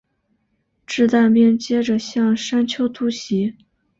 掷弹兵接着向山丘突袭。